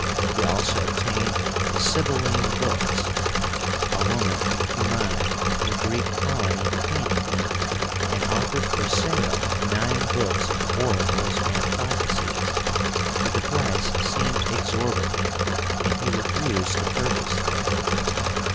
He also obtained the SIBYLLINE BOOKS. A woman from Cumae, a Greek colony, came to him, and offered for sale nine books of oracles and prophecies; but the price seemed exorbitant, and he refused to purchase them.